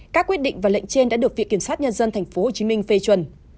các quyết định và lệnh trên đã được việc kiểm soát nhân dân tp hcm phê chuẩn